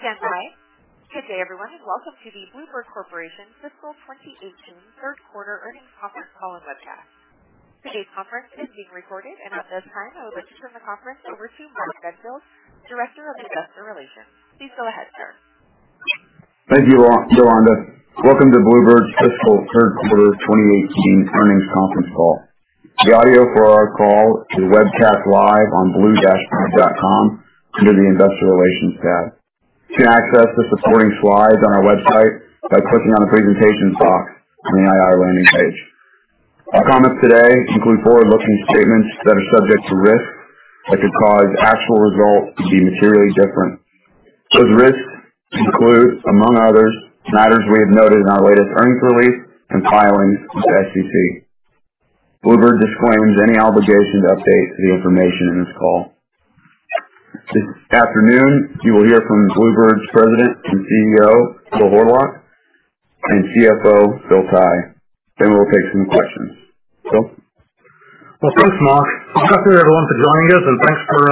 Stand by. Good day, everyone, welcome to the Blue Bird Corporation Fiscal 2018 Third Quarter Earnings Conference Call and Webcast. Today's conference is being recorded. At this time, I would like to turn the conference over to Mark Benfield, Director of Investor Relations. Please go ahead, sir. Thank you, Yolanda. Welcome to Blue Bird's Fiscal Third Quarter 2018 Earnings Conference Call. The audio for our call is webcast live on blue-bird.com under the Investor Relations tab. You can access the supporting slides on our website by clicking on the Presentations box on the IR landing page. Our comments today include forward-looking statements that are subject to risks that could cause actual results to be materially different. Those risks include, among others, matters we have noted in our latest earnings release and filings with the SEC. Blue Bird disclaims any obligation to update the information in this call. This afternoon, you will hear from Blue Bird's President and CEO, Phil Horlock, and CFO, Bill Tai. We'll take some questions. Phil? Well, thanks, Mark. Welcome everyone for joining us, thanks for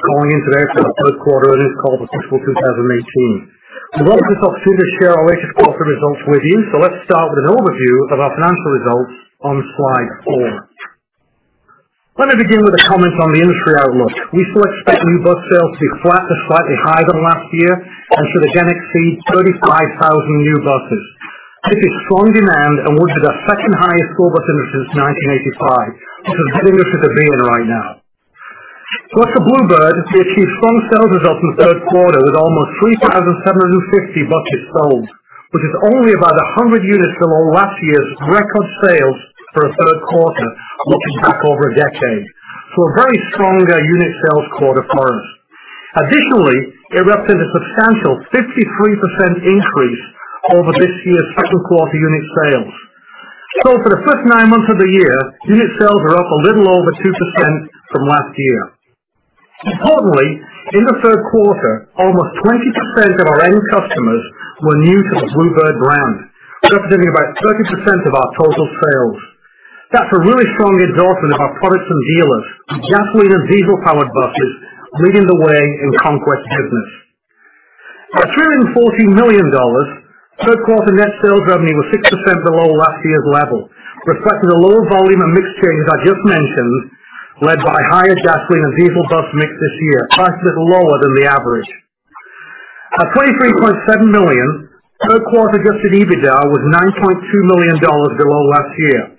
calling in today for the third quarter earnings call for fiscal 2018. We welcome this opportunity to share our latest quarter results with you, let's start with an overview of our financial results on slide four. Let me begin with a comment on the industry outlook. We still expect new bus sales to be flat to slightly higher than last year and should again exceed 35,000 new buses. This is strong demand and would be the second highest school bus industry since 1985, which is helping us at the beginning right now. For Blue Bird, we achieved strong sales results in the third quarter with almost 3,750 buses sold, which is only about 100 units below last year's record sales for a third quarter looking back over a decade. A very strong unit sales quarter for us. Additionally, it represented a substantial 53% increase over this year's second quarter unit sales. For the first nine months of the year, unit sales are up a little over 2% from last year. Importantly, in the third quarter, almost 20% of our end customers were new to the Blue Bird brand, representing about 30% of our total sales. That's a really strong endorsement of our products and dealers with gasoline and diesel-powered buses leading the way in conquest business. At $340 million, third quarter net sales revenue was 6% below last year's level, reflecting the lower volume and mix change I just mentioned, led by higher gasoline and diesel bus mix this year, priced a little lower than the average. At $23.7 million, third quarter adjusted EBITDA was $9.2 million below last year.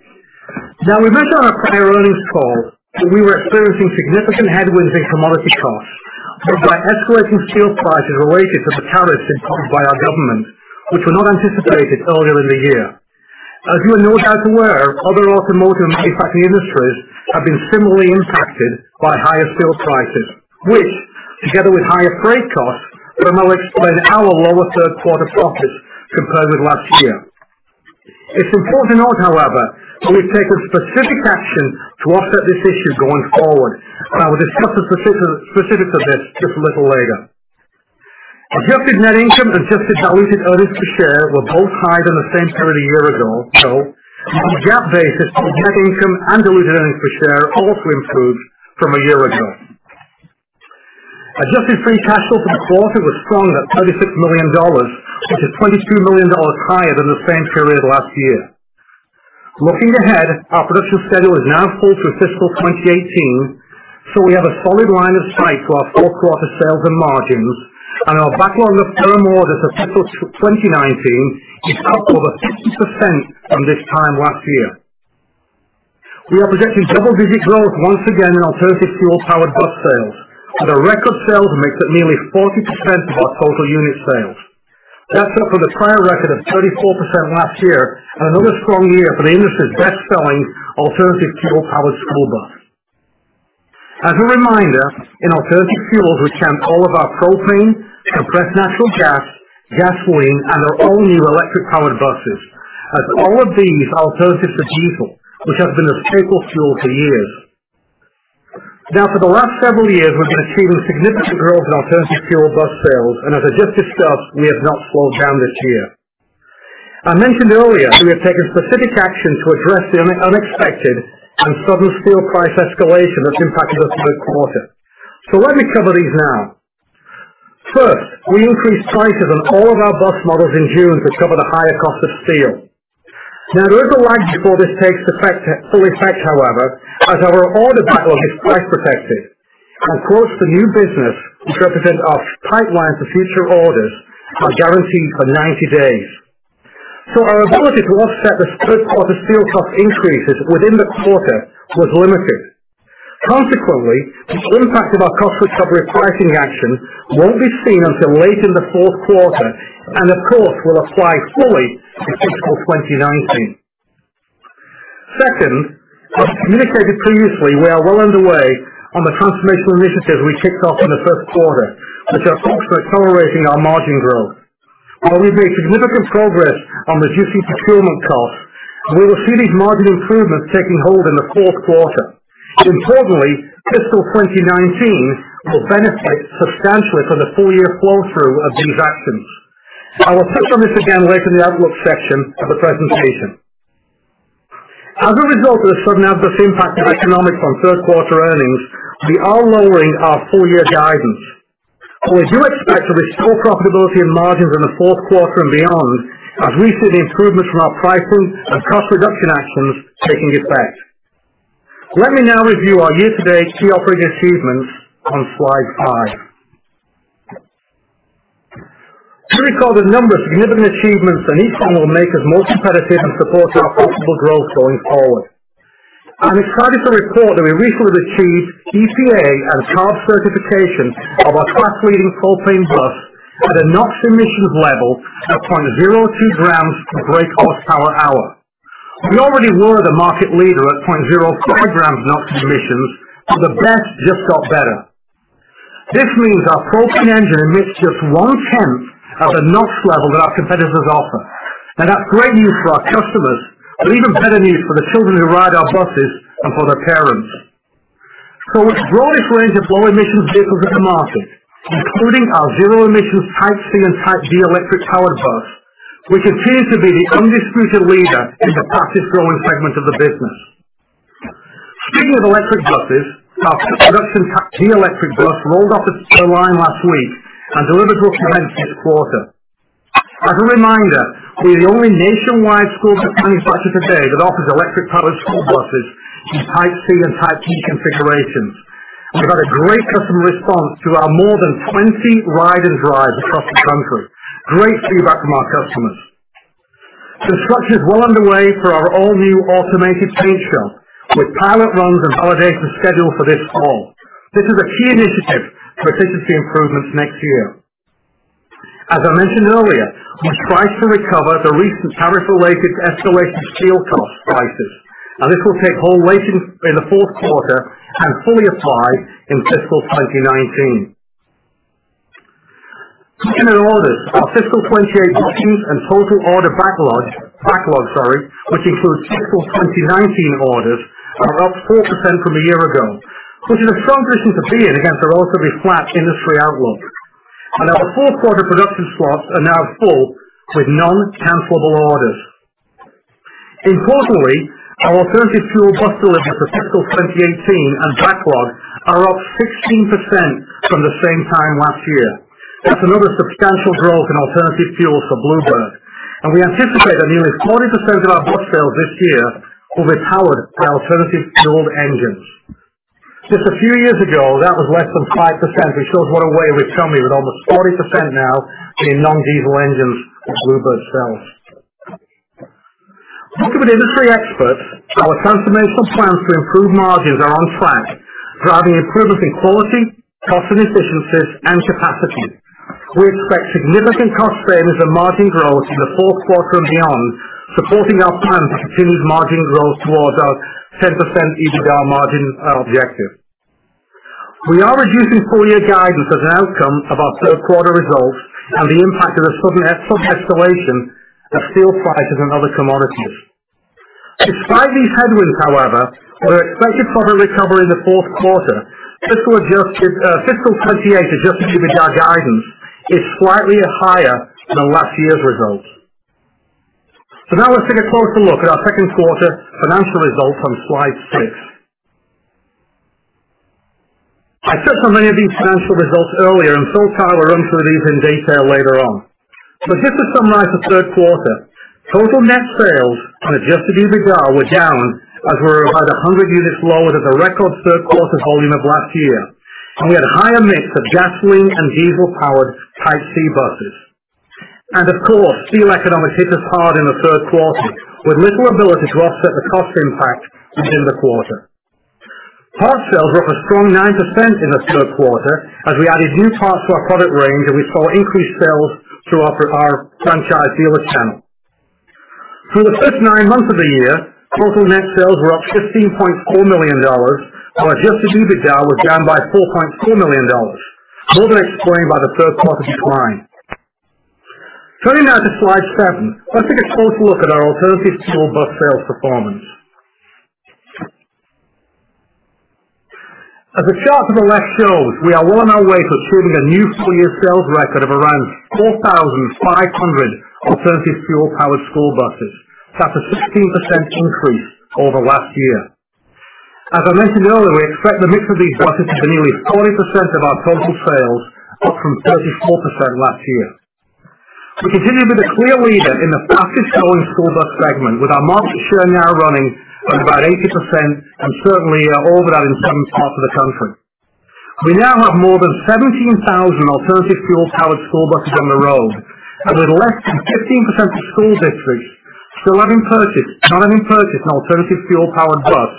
We mentioned on our prior earnings call that we were experiencing significant headwinds in commodity costs, led by escalating steel prices related to the tariffs imposed by our government, which were not anticipated earlier in the year. As you are no doubt aware, other automotive manufacturing industries have been similarly impacted by higher steel prices, which, together with higher freight costs, will help explain our lower third quarter profits compared with last year. It's important to note, however, that we've taken specific action to offset this issue going forward, and I will discuss the specifics of this just a little later. Adjusted net income and Adjusted diluted earnings per share were both higher than the same period a year ago. On a GAAP basis, net income and diluted earnings per share also improved from a year ago. Adjusted free cash flow for the quarter was strong at $36 million, which is $22 million higher than the same period last year. Looking ahead, our production schedule is now full through fiscal 2018, so we have a solid line of sight to our full quarter sales and margins, and our backlog of firm orders for fiscal 2019 is up over 50% from this time last year. We are projecting double-digit growth once again in alternative fuel-powered bus sales, with a record sales mix at nearly 40% of our total unit sales. That's up from the prior record of 34% last year, another strong year for the industry's best-selling alternative fuel-powered school bus. As a reminder, in alternative fuels, we count all of our propane, compressed natural gas, gasoline, and our all new electric-powered buses, as all of these are alternatives to diesel, which has been a staple fuel for years. For the last several years, we've been achieving significant growth in alternative fuel bus sales, and as I just discussed, we have not slowed down this year. I mentioned earlier, we have taken specific action to address the unexpected and sudden steel price escalation that's impacted us this quarter. Let me cover these now. First, we increased prices on all of our bus models in June to cover the higher cost of steel. Now, there is a lag before this takes full effect, however, as our order backlog is price protected, and quotes for new business, which represent our pipeline for future orders, are guaranteed for 90 days. Our ability to offset the third quarter steel cost increases within the quarter was limited. Consequently, the impact of our cost recovery pricing action won't be seen until late in the fourth quarter and of course, will apply fully to fiscal 2019. Second, as communicated previously, we are well underway on the transformational initiatives we kicked off in the first quarter, which are focused on accelerating our margin growth. While we've made significant progress on reducing procurement costs, we will see these margin improvements taking hold in the fourth quarter. Importantly, fiscal 2019 will benefit substantially from the full-year flow-through of these actions. I will touch on this again later in the outlook section of the presentation. As a result of the sudden adverse impact of economics on third-quarter earnings, we are lowering our full-year guidance. We do expect to restore profitability and margins in the fourth quarter and beyond as we see the improvements from our price and cost reduction actions taking effect. Let me now review our year-to-date key operating achievements on slide five. Here we call the number of significant achievements that each one will make us more competitive and support our profitable growth going forward. I'm excited to report that we recently achieved EPA and CARB certification of our class-leading propane bus at a NOx emissions level of 0.02 grams per brake horsepower hour. We already were the market leader at 0.04 grams of NOx emissions. The best just got better. This means our propane engine emits just one tenth of the NOx level that our competitors offer. That's great news for our customers, but even better news for the children who ride our buses and for their parents. With the broadest range of low emissions vehicles in the market, including our zero emission Type C and Type D electric-powered bus, we continue to be the undisputed leader in the fastest-growing segment of the business. Speaking of electric buses, our production Type D electric bus rolled off the line last week and delivered to a customer this quarter. As a reminder, we are the only nationwide school bus manufacturer today that offers electric-powered school buses in Type C and Type D configurations. We've had a great customer response to our more than 20 ride and drives across the country. Great feedback from our customers. Construction is well underway for our all-new automated paint shop, with pilot runs and validation scheduled for this fall. This is a key initiative for efficiency improvements next year. As I mentioned earlier, we priced to recover the recent tariff-related escalation of steel costs prices, this will take hold late in the fourth quarter and fully apply in fiscal 2019. Turning to orders. Our fiscal 2018 bookings and total order backlog, sorry, which includes fiscal 2019 orders, are up 4% from a year ago, which is a strong position to be in against a relatively flat industry outlook. Our fourth quarter production slots are now full with non-cancelable orders. Importantly, our alternative fuel bus deliveries for fiscal 2018 and backlog are up 16% from the same time last year. That's another substantial growth in alternative fuels for Blue Bird, and we anticipate that nearly 40% of our bus sales this year will be powered by alternative fueled engines. Just a few years ago, that was less than 5%, which shows what a way we've come here with almost 40% now being non-diesel engines that Blue Bird sells. Talking with industry experts, our transformational plans to improve margins are on track, driving improvements in quality, cost efficiencies, and capacity. We expect significant cost savings and margin growth in the fourth quarter and beyond, supporting our plan to continue margin growth towards our 10% EBITDA margin objective. We are reducing full-year guidance as an outcome of our third quarter results and the impact of the sudden escalation of steel prices and other commodities. Despite these headwinds, however, we're expected to recover in the fourth quarter. Fiscal 2018 adjusted EBITDA guidance is slightly higher than last year's results. Now let's take a closer look at our second quarter financial results on slide six. I touched on many of these financial results earlier. (Phil Horlock) will run through these in detail later on. Just to summarize the third quarter, total net sales on adjusted EBITDA were down as we were about 100 units lower than the record third quarter volume of last year, and we had a higher mix of gasoline and diesel-powered Type C buses. Of course, steel economics hit us hard in the third quarter, with little ability to offset the cost impact within the quarter. Parts sales were up a strong 9% in the third quarter as we added new parts to our product range, and we saw increased sales through our franchise dealer channel. For the first nine months of the year, total net sales were up $15.4 million, while adjusted EBITDA was down by $4.4 million, more than explained by the third quarter decline. Turning now to slide seven. Let's take a closer look at our alternative fuel bus sales performance. As the chart on the left shows, we are well on our way to achieving a new full-year sales record of around 4,500 alternative fuel-powered school buses. That's a 16% increase over last year. As I mentioned earlier, we expect the mix of these buses to be nearly 40% of our total sales, up from 34% last year. We continue to be the clear leader in the fastest growing school bus segment, with our market share now running at about 80% and certainly over that in certain parts of the country. We now have more than 17,000 alternative fuel-powered school buses on the road, and with less than 15% of school districts still having purchased an alternative fuel-powered bus,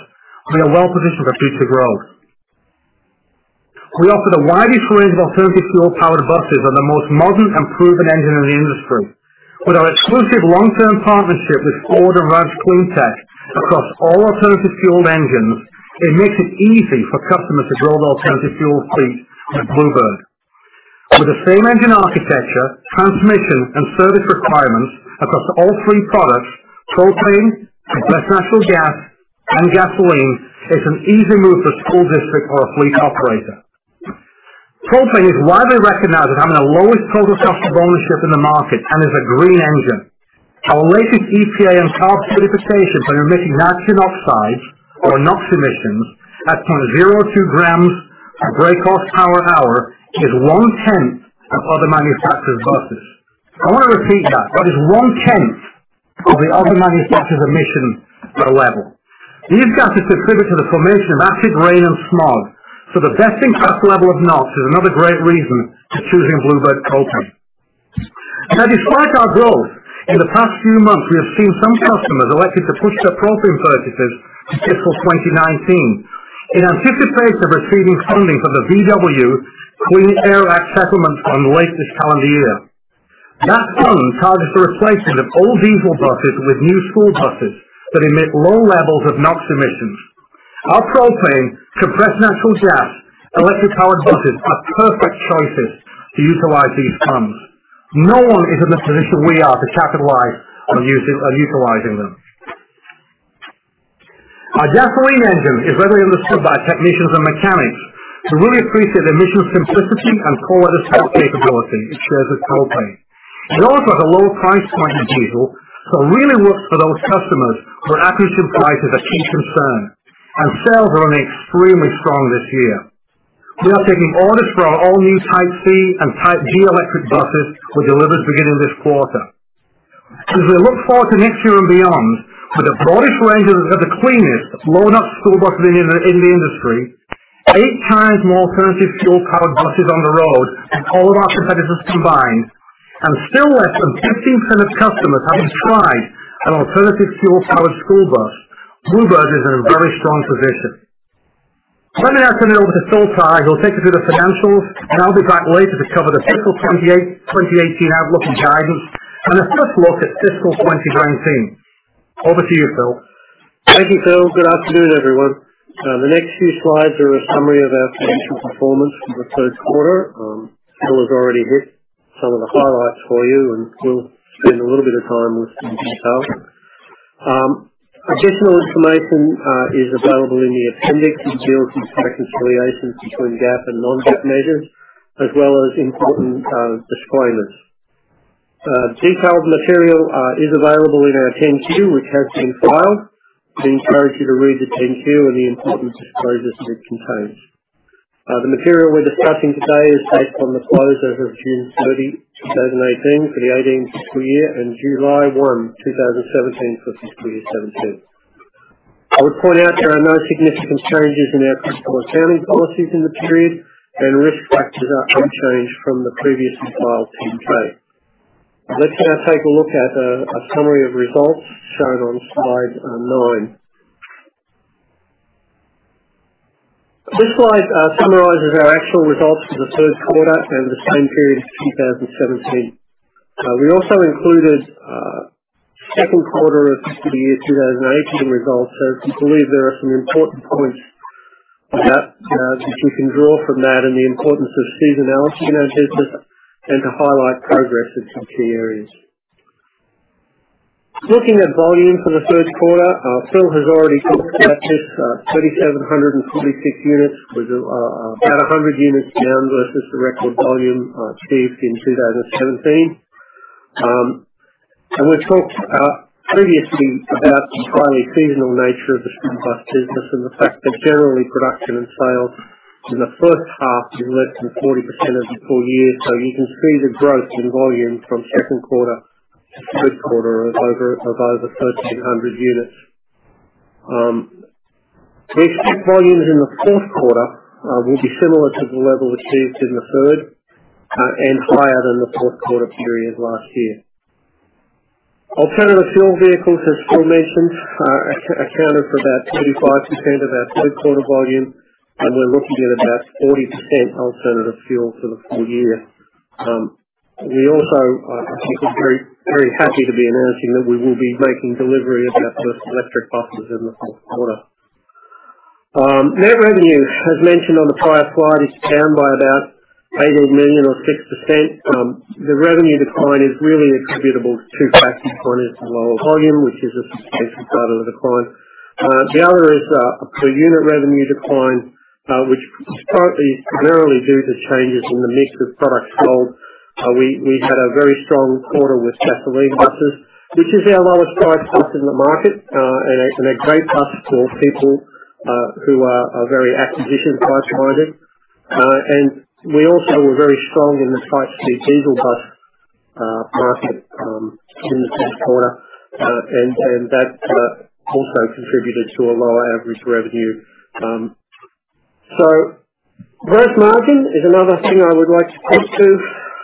we are well positioned for future growth. We offer the widest range of alternative fuel-powered buses and the most modern and proven engine in the industry. With our exclusive long-term partnership with Ford ROUSH CleanTech across all alternative fueled engines, it makes it easy for customers to grow their alternative fuel fleet with Blue Bird. With the same engine architecture, transmission, and service requirements across all three products, propane, compressed natural gas, and gasoline, it's an easy move for a school district or a fleet operator. Propane is widely recognized as having the lowest total cost of ownership in the market and is a green engine. Our latest EPA and CARB certification for emitting nitrogen oxides, or NOx emissions, at 0.02 grams per brake horsepower hour is one-tenth of other manufacturers' buses. I want to repeat that. That is one-tenth of the other manufacturers' emission level. These gases contribute to the formation of acid rain and smog. The best-in-class level of NOx is another great reason to choosing Blue Bird propane. Despite our growth, in the past few months, we have seen some customers elected to push their propane purchases to fiscal 2019 in anticipation of receiving funding from the Volkswagen Clean Air Act Settlement fund late this calendar year. That fund targets the replacement of old diesel buses with new school buses that emit low levels of NOx emissions. Our propane, compressed natural gas, electric-powered buses are perfect choices to utilize these funds. No one is in the position we are to capitalize on utilizing them. Our gasoline engine is readily understood by technicians and mechanics, who really appreciate emission simplicity and cold weather start capability it shares with propane. It also has a low price point in diesel, really works for those customers where acquisition price is a key concern, and sales are running extremely strong this year. We are taking orders for our all-new Type C and Type D electric buses for deliveries beginning this quarter. As we look forward to next year and beyond, with the broadest range of the cleanest low NOx school buses in the industry, 8 times more alternative fuel-powered buses on the road than all of our competitors combined, and still less than 15% of customers having tried an alternative fuel-powered school bus, Blue Bird is in a very strong position. Let me now turn it over to Phil Horlock, who will take you through the financials, and I will be back later to cover the fiscal 2018 outlook and guidance and a first look at fiscal 2019. Over to you, Phil. Thank you, Phil. Good afternoon, everyone. The next few slides are a summary of our financial performance for the third quarter. Phil has already hit some of the highlights for you, and we will spend a little bit of time listening to Phil. Additional information is available in the appendix, including key reconciliation between GAAP and non-GAAP measures, as well as important disclaimers. Detailed material is available in our 10-Q, which has been filed. We encourage you to read the 10-Q and the important disclosures it contains. The material we are discussing today is based on the close as of June 30, 2018, for the 2018 fiscal year, and July 1, 2017, for fiscal year 2017. I would point out there are no significant changes in our fiscal accounting policies in the period, and risk factors are unchanged from the previously filed 10-K. Let's now take a look at a summary of results shown on slide nine. This slide summarizes our actual results for the third quarter and the same period of 2017. We also included second quarter of fiscal year 2018 results, as we believe there are some important points that you can draw from that and the importance of seasonality in our business and to highlight progress in some key areas. Looking at volume for the third quarter, Phil has already talked about this, 3,746 units. We are down 100 units versus the record volume achieved in 2017. We have talked previously about the highly seasonal nature of the school bus business and the fact that generally production and sales in the first half is less than 40% of the full year. You can see the growth in volume from second quarter to third quarter of over 1,300 units. We expect volumes in the fourth quarter will be similar to the level achieved in the third and higher than the fourth quarter period last year. Alternative fuel vehicles, as Phil mentioned, accounted for about 35% of our third quarter volume, and we are looking at about 40% alternative fuel for the full year. We also are very happy to be announcing that we will be making delivery of our first electric buses in the fourth quarter. Net revenue, as mentioned on the prior slide, is down by about $8 million, or 6%. The revenue decline is really attributable to two factors. One is the lower volume, which is a substantial part of the decline. The other is a per unit revenue decline, which is primarily due to changes in the mix of products sold. We had a very strong quarter with gasoline buses. This is our lowest priced bus in the market and a great bus for people who are very acquisition price-minded. We also were very strong in the Type C diesel bus market in the third quarter, and that also contributed to a lower average revenue. Gross margin is another thing I would like to point to.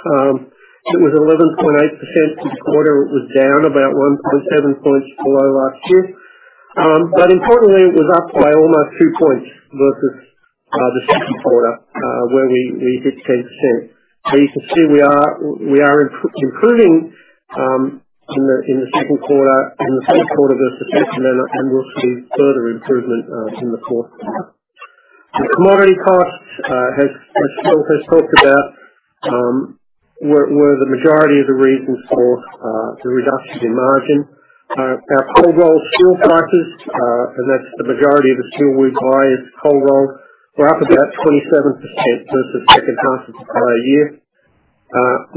It was 11.8% this quarter. It was down about 1.7 points below last year. Importantly, it was up by almost 2 points versus the second quarter, where we hit 10%. You can see we are improving in the second quarter and the third quarter versus second quarter, and we'll see further improvement in the fourth quarter. The commodity costs, as Phil has talked about, were the majority of the reasons for the reductions in margin. Our cold-rolled steel prices, and the majority of the steel we buy is cold roll, were up about 27% versus the second half of the prior year.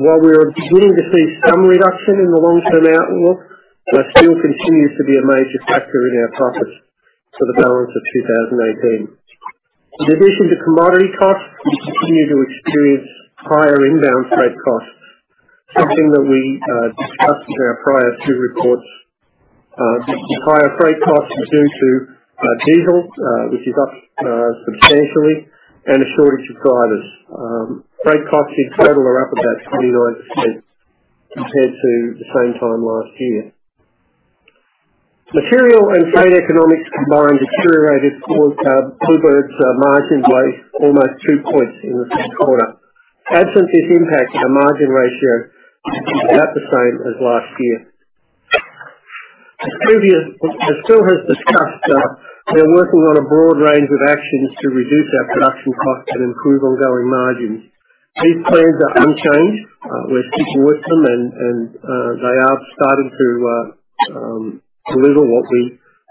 While we are beginning to see some reduction in the long-term outlook, steel continues to be a major factor in our profits for the balance of 2018. In addition to commodity costs, we continue to experience higher inbound freight costs, something that we discussed in our prior two reports. The higher freight costs are due to diesel, which is up substantially, and a shortage of drivers. Freight costs in total are up about 29% compared to the same time last year. Material and freight economics combined deteriorated, caused Blue Bird's margin base almost 2 points in the third quarter. Absent this impact on the margin ratio, it's about the same as last year. As Phil has discussed, we're working on a broad range of actions to reduce our production costs and improve ongoing margins. These plans are unchanged. We're sticking with them, and they are starting to deliver what we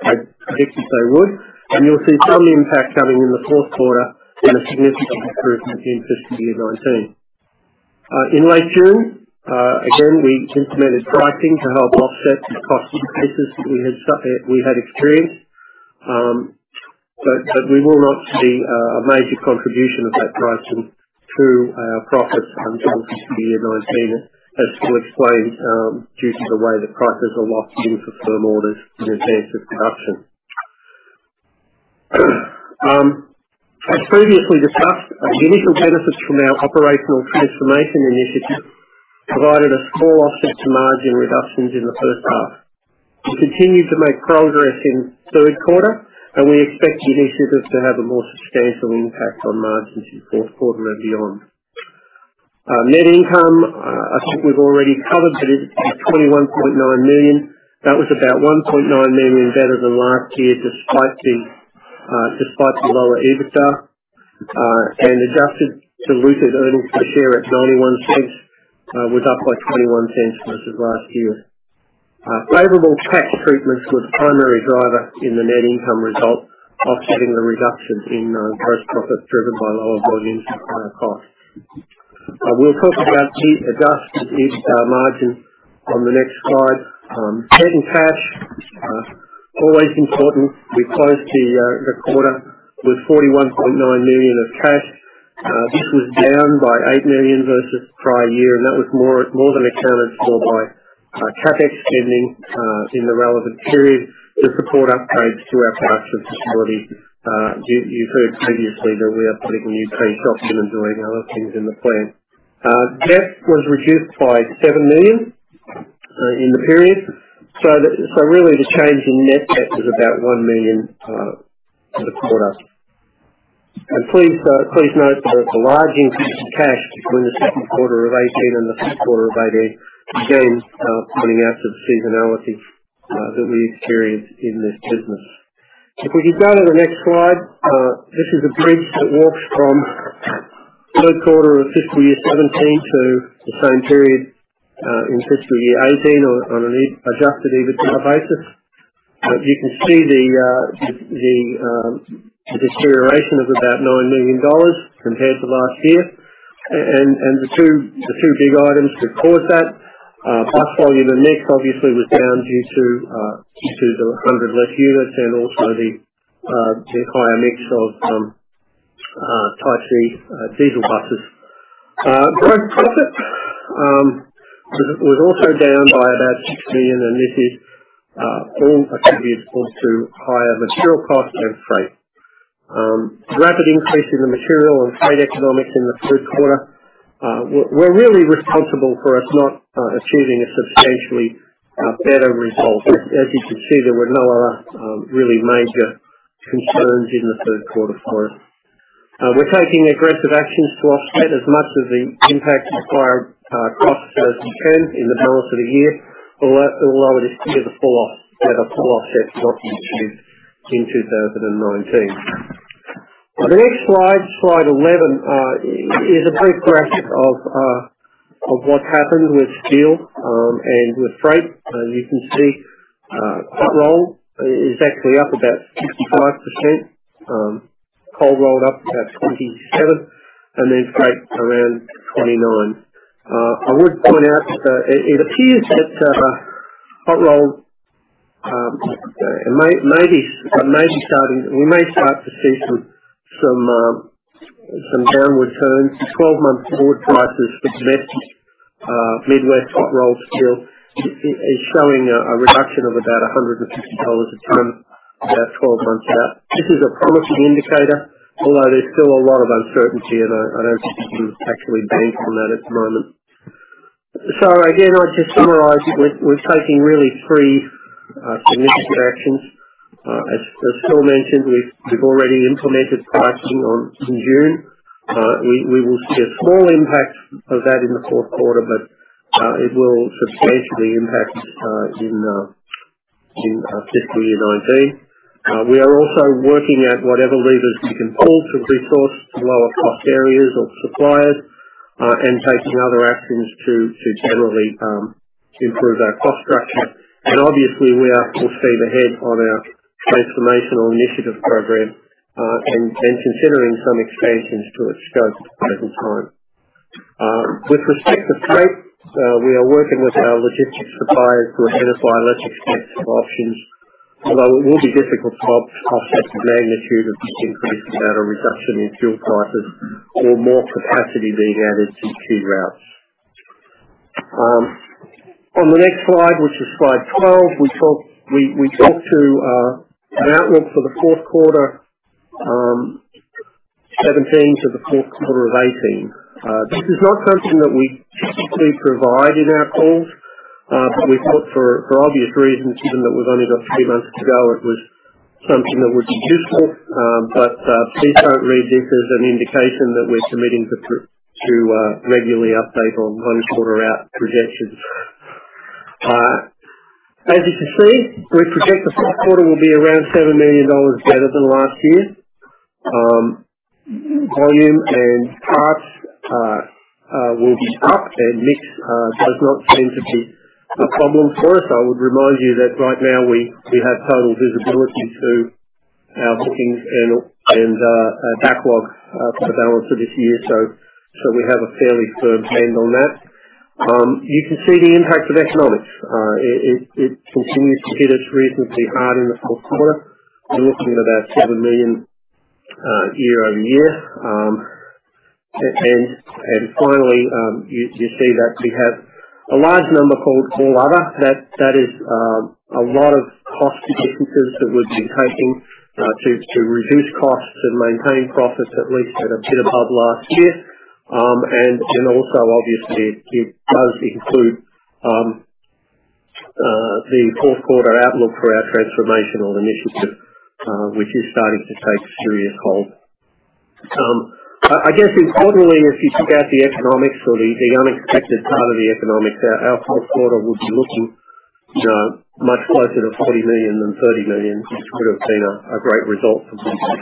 had predicted they would. You'll see some impact coming in the fourth quarter and a significant improvement in fiscal year 2019. In late June, again, we implemented pricing to help offset these cost increases that we had experienced. We will not see a major contribution of that pricing to our profits until fiscal year 2019, as Phil explained, due to the way the prices are locked in for firm orders in advance of production. As previously discussed, the initial benefits from our operational transformation initiative provided a small offset to margin reductions in the first half. We continued to make progress in the third quarter, and we expect the initiatives to have a more substantial impact on margins in fourth quarter and beyond. Net income, I think we've already covered, but it's at $21.9 million. That was about $1.9 million better than last year, despite the lower EBITDA. Adjusted to diluted earnings per share at $0.91, was up by $0.21 versus last year. Favorable tax treatments were the primary driver in the net income result, offsetting the reductions in gross profit driven by lower volumes and higher costs. We'll talk about adjusted EBITDA margin on the next slide. Cash, always important. We closed the quarter with $41.9 million of cash. This was down by $8 million versus the prior year, and that was more than accounted for by CapEx spending in the relevant period to support upgrades to our production facility. You've heard previously that we are putting in new paint shops and doing other things in the plant. Debt was reduced by $7 million in the period. Really the change in net debt was about $1 million for the quarter. Please note the large increase in cash between the second quarter of 2018 and the third quarter of 2018, again, pointing out the seasonality that we experience in this business. If you go to the next slide, this is a bridge that walks from third quarter of fiscal year 2017 to the same period in fiscal year 2018 on an adjusted EBITDA basis. You can see the deterioration of about $9 million compared to last year and the two big items that caused that. Bus volume and mix obviously was down due to the 100 less units and also the higher mix of Type C diesel buses. Gross profit was also down by about $6 million, and this is all attributed to higher material costs and freight. Rapid increase in the material and freight economics in the third quarter were really responsible for us not achieving a substantially better result. As you can see, there were no other really major concerns in the third quarter for us. We're taking aggressive actions to offset as much of the impact of higher costs as we can in the balance of the year, although it is clear the full offset is not going to be achieved in 2019. The next slide 11, is a brief graphic of what's happened with steel and with freight. You can see hot roll is actually up about 65%, cold roll up about 27%, and then freight around 29%. I would point out that it appears that hot roll, we may start to see some downward turns. The 12-month forward prices for net Midwest hot roll steel is showing a reduction of about $150 a ton about 12 months out. This is a promising indicator, although there's still a lot of uncertainty, and I don't think we can actually bank on that at the moment. Again, I'll just summarize, we're taking really three significant actions. As Phil mentioned, we've already implemented pricing in June. We will see a small impact of that in the fourth quarter, but it will substantially impact in fiscal year 2019. In our fiscal year 2019. We are also working out whatever levers we can pull to resource lower cost areas or suppliers, and taking other actions to generally improve our cost structure. Obviously, we are full steam ahead on our transformational initiatives program, and considering some expansions to its scope at the time. With respect to freight, we are working with our logistics suppliers to identify less expensive options, although it will be difficult to offset the magnitude of this increase without a reduction in fuel prices or more capacity being added to key routes. On the next slide, which is slide 12, we talk to an outlook for the fourth quarter 2017 to the fourth quarter of 2018. This is not something that we typically provide in our calls. We thought for obvious reasons, given that we've only got three months to go, it was something that would be useful. Please don't read this as an indication that we're committing to regularly update on one quarter out projections. As you can see, we project the fourth quarter will be around $7 million better than last year. Volume and parts will be up, and mix does not seem to be a problem for us. I would remind you that right now we have total visibility to our bookings and backlog for the balance of this year. We have a fairly firm hand on that. You can see the impact of economics. It continues to hit us recently hard in the fourth quarter. We're looking at about $7 million year-over-year. Finally, you see that we have a large number called All Other. That is a lot of cost efficiencies that we've been taking to reduce costs and maintain profits, at least at a bit above last year. Also, obviously, it does include the fourth quarter outlook for our transformational initiative, which is starting to take serious hold. I guess importantly, if you took out the economics or the unexpected part of the economics, our fourth quarter would be looking much closer to $40 million than $30 million, which would have been a great result for Blue Bird.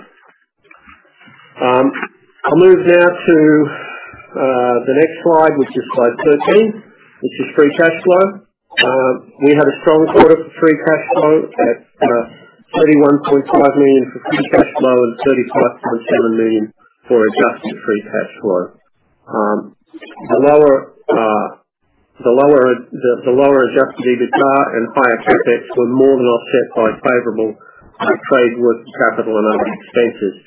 I'll move now to the next slide, which is slide 13, which is free cash flow. We had a strong quarter for free cash flow at $31.5 million for free cash flow and $35.7 million for adjusted free cash flow. The lower adjusted EBITDA and higher CapEx were more than offset by favorable trade working capital and other expenses.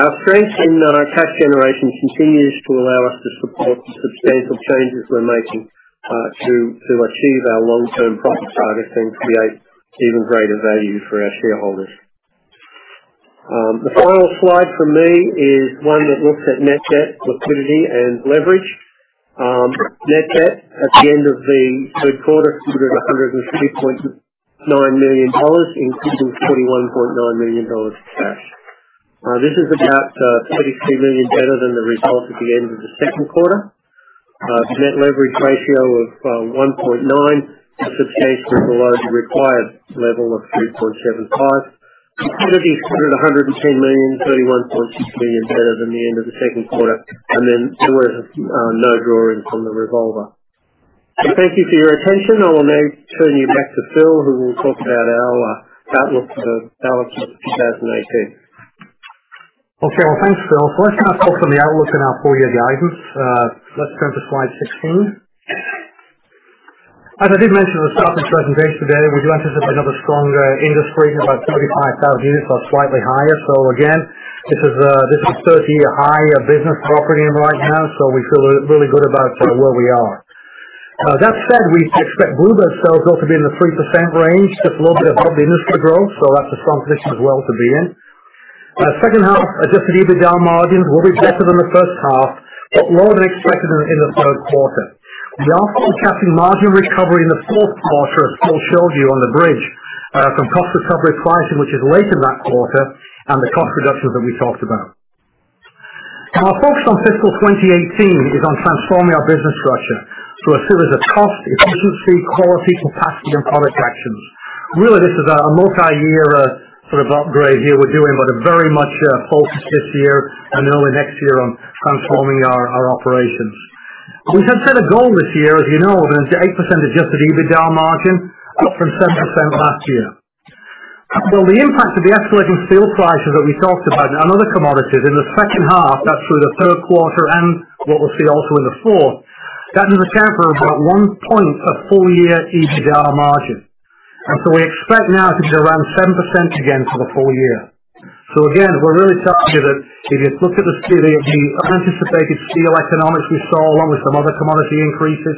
Our strength in cash generation continues to allow us to support the substantial changes we're making to achieve our long-term profit targets and create even greater value for our shareholders. The final slide from me is one that looks at net debt, liquidity, and leverage. Net debt at the end of the third quarter stood at $103.9 million, including $31.9 million in cash. This is about $32 million better than the result at the end of the second quarter. Net leverage ratio of 1.9, a substantial below the required level of 3.75. Facility stood at $110 million, $31.6 million better than the end of the second quarter. There were no drawings from the revolver. Thank you for your attention. I will now turn you back to Phil, who will talk about our outlook for the balance of 2018. Okay. Well, thanks, Bill. Let's now talk on the outlook and our full year guidance. Let's turn to slide 16. As I did mention at the start of the presentation today, we do anticipate another strong industry, about 35,000 units or slightly higher. Again, this is certainly a high business we're operating in right now. We feel really good about where we are. That said, we expect Blue Bird sales growth to be in the 3% range, just a little bit above the industry growth. That's a strong position as well to be in. Second half, adjusted EBITDA margins will be better than the first half, but lower than expected in the third quarter. We are forecasting margin recovery in the fourth quarter, as Bill showed you on the bridge, from cost recovery pricing, which is late in that quarter, and the cost reductions that we talked about. Our focus on fiscal 2018 is on transforming our business structure through a series of cost, efficiency, quality, capacity, and product actions. Really, this is a multi-year sort of upgrade here we're doing, but very much focused this year and into next year on transforming our operations. We set a goal this year, as you know, of an 8% adjusted EBITDA margin up from 7% last year. The impact of the escalating steel prices that we talked about and other commodities in the second half, that's through the third quarter and what we'll see also in the fourth, that has hammered about one point of full year EBITDA margin. We expect now I think around 7% again for the full year. Again, we're really targeted. If you look at the anticipated steel economics we saw, along with some other commodity increases,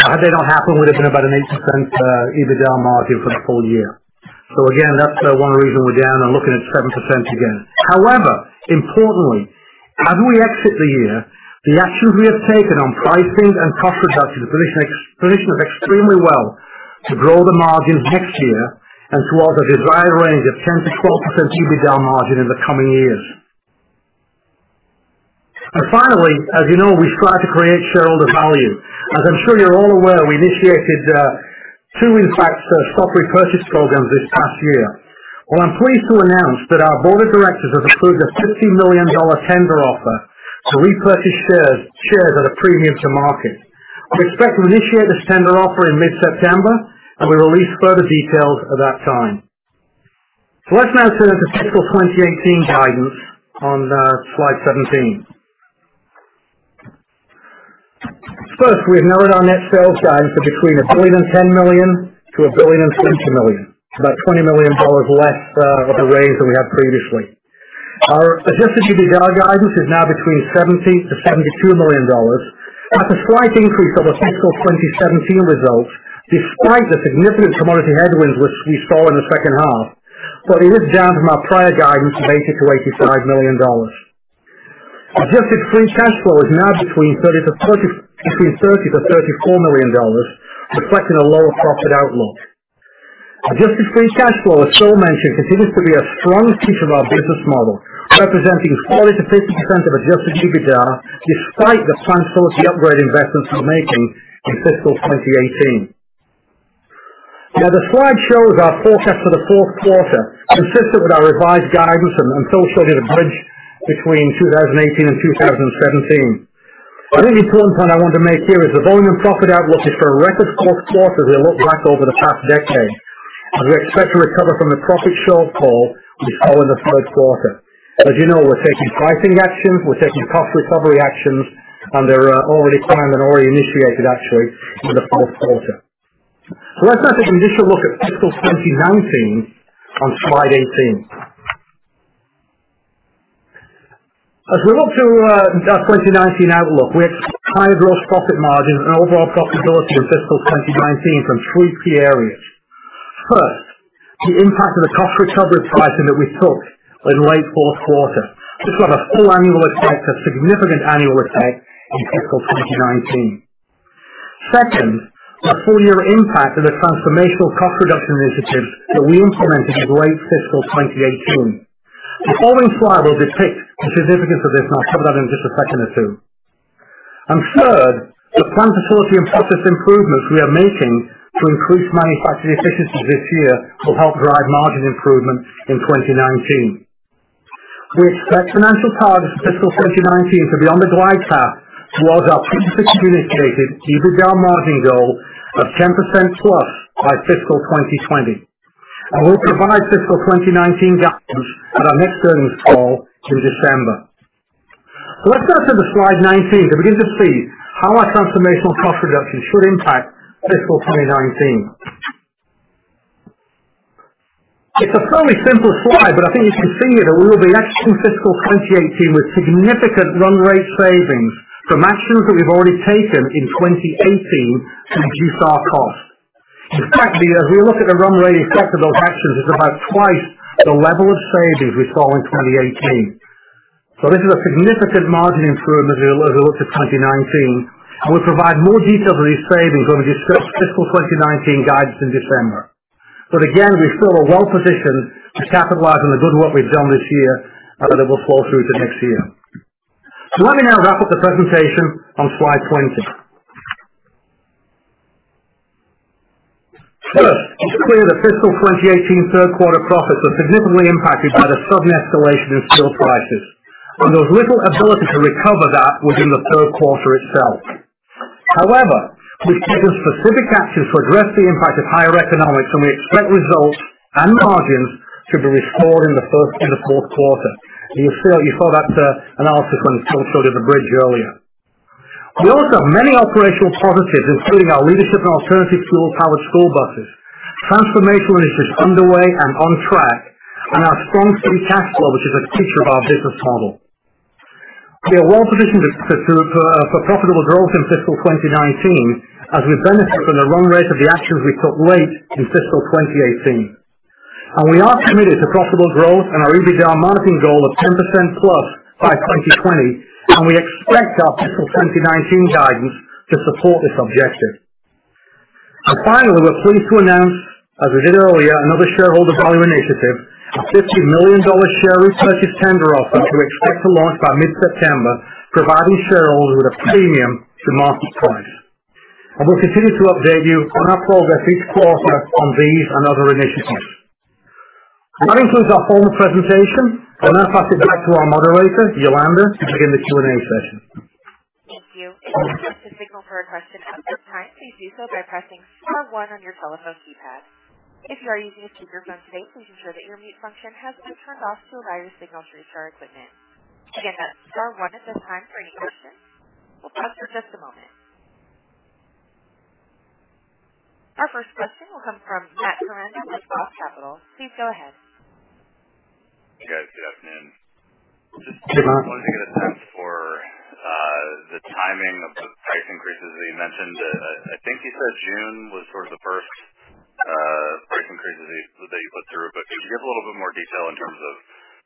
had they not happened, would have been about an 8% EBITDA margin for the full year. Again, that's one reason we're down and looking at 7% again. However, importantly, as we exit the year, the actions we have taken on pricing and cost reduction position us extremely well to grow the margin next year and towards a desired range of 10%-12% EBITDA margin in the coming years. Finally, as you know, we strive to create shareholder value. As I'm sure you're all aware, we initiated two, in fact, stock repurchase programs this past year. I'm pleased to announce that our board of directors have approved a $50 million tender offer to repurchase shares at a premium to market. We expect to initiate this tender offer in mid-September, and we'll release further details at that time. Let's now turn to fiscal 2018 guidance on slide 17. First, we have narrowed our net sales guidance to between $1.01 billion to $1.02 billion, about $20 million less of the range that we had previously. Our adjusted EBITDA guidance is now between $70 million-$72 million. That's a slight increase over fiscal 2017 results, despite the significant commodity headwinds which we saw in the second half. It is down from our prior guidance of $80 million-$85 million. Adjusted free cash flow is now between $30 million-$34 million, reflecting a lower profit outlook. Adjusted free cash flow, as Bill mentioned, continues to be a strong feature of our business model, representing 40%-50% of adjusted EBITDA, despite the plant quality upgrade investments we're making in fiscal 2018. The slide shows our forecast for the fourth quarter, consistent with our revised guidance, and also did a bridge between 2018 and 2017. An important point I want to make here is the volume and profit outlook is for a record fourth quarter as we look back over the past decade, as we expect to recover from the profit shortfall we saw in the third quarter. As you know, we're taking pricing actions, we're taking cost recovery actions, and they're already planned and already initiated, actually, in the fourth quarter. Let's now take an initial look at fiscal 2019 on slide 18. As we look to our 2019 outlook, we expect higher gross profit margin and overall profitability in fiscal 2019 from three key areas. First, the impact of the cost recovery pricing that we took in late fourth quarter. This will have a full annual effect, a significant annual effect in fiscal 2019. Second, our full year impact of the transformational cost reduction initiatives that we implemented in late fiscal 2018. The following slide will depict the significance of this, and I'll cover that in just a second or two. Third, the plant facility and process improvements we are making to increase manufacturing efficiency this year will help drive margin improvements in 2019. We expect financial targets for fiscal 2019 to be on the glide path towards our previously communicated EBITDA margin goal of 10%+ by fiscal 2020. We'll provide fiscal 2019 guidance at our next earnings call in December. Let's now turn to slide 19 to begin to see how our transformational cost reduction should impact fiscal 2019. It's a fairly simple slide, but I think you can see here that we will be exiting fiscal 2018 with significant run rate savings from actions that we've already taken in 2018 to reduce our costs. In fact, as we look at the run rate effect of those actions, it's about twice the level of savings we saw in 2018. This is a significant margin improvement as we look to 2019, and we'll provide more detail of these savings when we discuss fiscal 2019 guidance in December. Again, we feel we're well-positioned to capitalize on the good work we've done this year, and that it will flow through to next year. Let me now wrap up the presentation on slide 20. First, it's clear that fiscal 2018 third quarter profits were significantly impacted by the sudden escalation in steel prices. There was little ability to recover that within the third quarter itself. However, we've taken specific actions to address the impact of higher economics, and we expect results and margins to be restored in the fourth quarter. You saw that analysis when Bill showed you the bridge earlier. We also have many operational positives, including our leadership in alternative fuel-powered school buses. Transformation initiative is underway and on track. Our strong free cash flow, which is a feature of our business model. We are well-positioned for profitable growth in fiscal 2019 as we benefit from the run rate of the actions we took late in fiscal 2018. We are committed to profitable growth and our EBITDA margin goal of 10%+ by 2020. We expect our fiscal 2019 guidance to support this objective. Finally, we're pleased to announce, as we did earlier, another shareholder value initiative, a $50 million share repurchase tender offer, which we expect to launch by mid-September, providing shareholders with a premium to market price. We'll continue to update you on our progress each quarter on these and other initiatives. That concludes our formal presentation. I'll now pass it back to our moderator, Yolanda, to begin the Q&A session. Thank you. If you would like to signal for a question at this time, please do so by pressing star one on your telephone keypad. If you are using a speakerphone today, please ensure that your mute function has been turned off to avoid a signal feedback to our equipment. Again, that's star one at this time for any questions. We'll pause for just a moment. Our first question will come from Matt Ryan with ROTH Capital Partners. Please go ahead. Hey, guys. Good afternoon. Just wanted to get a sense for the timing of the price increases that you mentioned. I think you said June was sort of the first price increases that you put through. Could you give a little bit more detail in terms of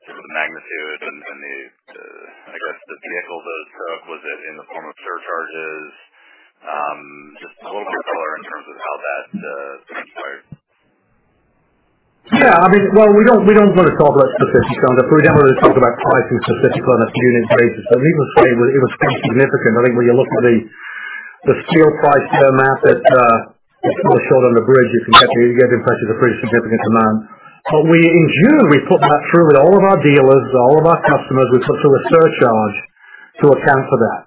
the magnitude and the address, the vehicles? Was it in the form of surcharges? Just a little more color in terms of how that played out. We don't want to talk about specifics on that. We never really talk about pricing specifically on a unit basis. We would say it was pretty significant. I think when you look at the steel price per mass that was showed on the bridge, you can get the impression it's a pretty significant amount. In June, we put that through with all of our dealers, all of our customers. We put through a surcharge to account for that.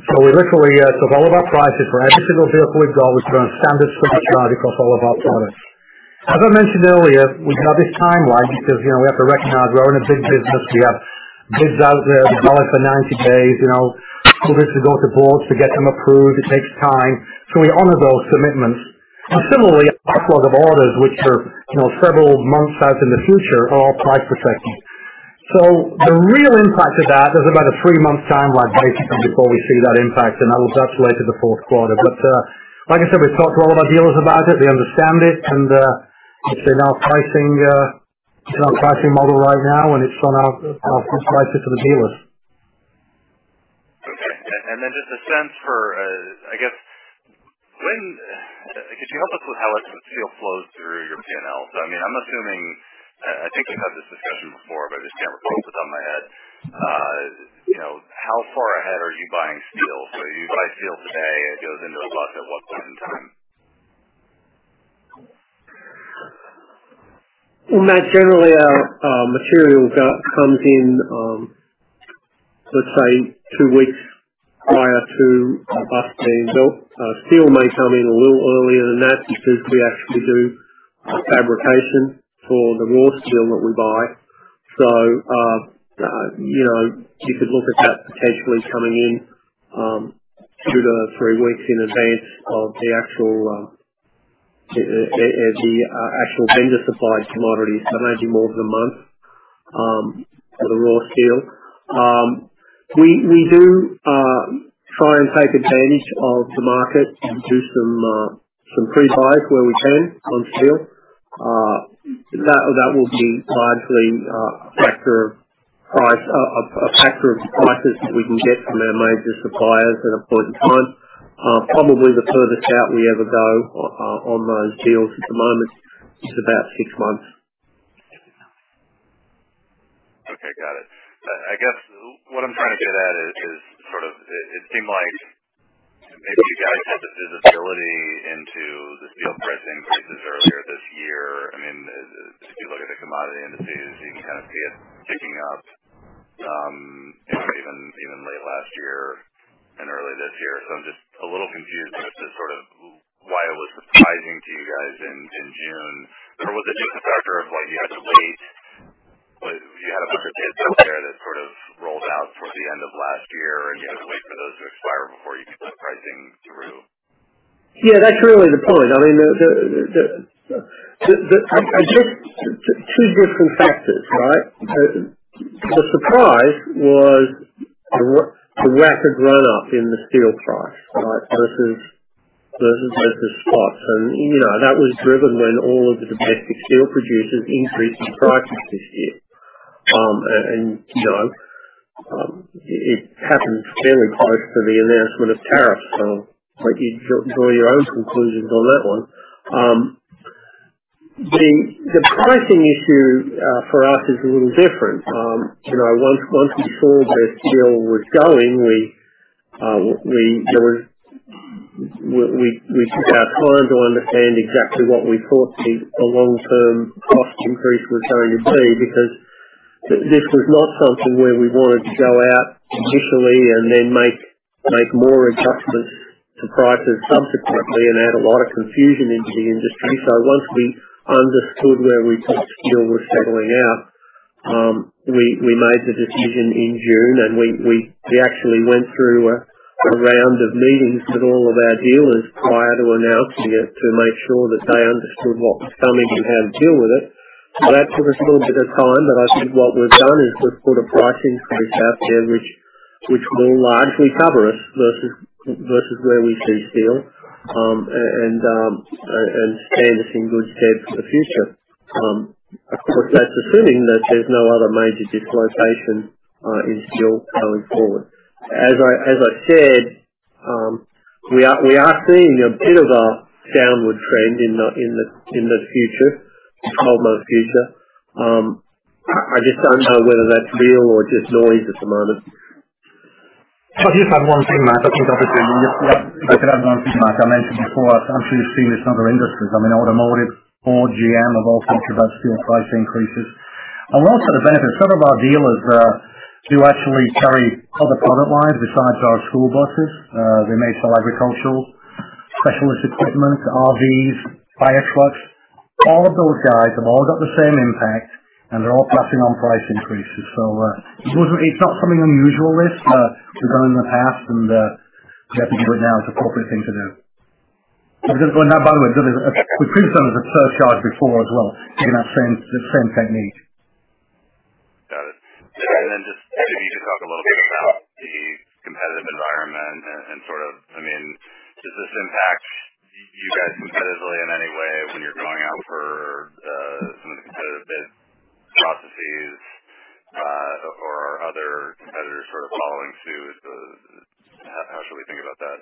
We literally took all of our prices for every single vehicle we've got, we put on a standard surcharge across all of our products. As I mentioned earlier, we have this timeline because we have to recognize we're in a big business. We have bids out there. They run for 90 days. The bids go to boards to get them approved. It takes time. So we honor those commitments. Similarly, our backlog of orders, which are several months out in the future, are all price protected. So the real impact of that is about a three-month timeline, basically, before we see that impact, and that's later the fourth quarter. Like I said, we've talked to all of our dealers about it. They understand it, and it's in our pricing model right now, and it's on our price sheet for the dealers. Okay. Just a sense for, could you help us with how steel flows through your P&L? I'm assuming, I think we've had this discussion before, but I just can't recall it off the top of my head. How far ahead are you buying steel? You buy steel today, it goes into a bus at what point in time? Well, Matt, generally, our material comes in, let's say, two weeks prior to a bus being built. Steel may come in a little earlier than that because we actually do a fabrication for the raw steel that we buy. You could look at that potentially coming in two to three weeks in advance of the actual vendor-supplied commodities. Maybe more than a month, for the raw steel. We do try and take advantage of the market and do some pre-buys where we can on steel. That will be largely a factor of prices that we can get from our major suppliers at a point in time. Probably the furthest out we ever go on those deals at the moment is about six months. Okay, got it. I guess what I'm trying to get at is, it seemed like maybe you guys had the visibility into the steel price increases earlier this year. If you look at the commodity indices, you can see it kicking up even late last year and early this year. I'm just a little confused as to why it was surprising to you guys in June. Was it just a factor of why you had to wait? You had a bunch of bids out there that rolled out towards the end of last year, and you had to wait for those to expire before you could put pricing through? Yeah, that's really the point. There are two different factors. The surprise was the rapid run-up in the steel price versus spots. That was driven when all of the domestic steel producers increased their prices this year. It happened fairly close to the announcement of tariffs. I'll let you draw your own conclusions on that one. The pricing issue for us is a little different. Once we saw where steel was going, we took our time to understand exactly what we thought the long-term cost increase was going to be, because this was not something where we wanted to go out initially and then make more adjustments to prices subsequently and add a lot of confusion into the industry. Once we understood where we thought steel was settling out, we made the decision in June, and we actually went through a round of meetings with all of our dealers prior to announcing it to make sure that they understood what was coming and how to deal with it. That took us a little bit of time, but I think what we've done is we've put a pricing increase out there, which will largely cover us versus where we see steel, and stand us in good stead for the future. Of course, that's assuming that there's no other major dislocation in steel going forward. As I said, we are seeing a bit of a downward trend in the 12-month future. I just don't know whether that's real or just noise at the moment. Can I just add one thing, Matt? I think obviously, I could add one thing, Matt. I mentioned before, I've actually seen this in other industries. Automotive, Ford, GM have all talked about steel price increases. One sort of benefit, some of our dealers do actually carry other product lines besides our school buses. They may sell agricultural specialist equipment, RVs, fire trucks. All of those guys have all got the same impact, and they're all passing on price increases. It's not something unusual. This has run in the past, and we had to do it now. It's the appropriate thing to do. By the way, we've previously done a surcharge before as well in that same technique. Got it. Then just maybe to talk a little bit about the competitive environment and, does this impact you guys competitively in any way when you're going out for some of the competitive bids? Sort of following suit. How should we think about that?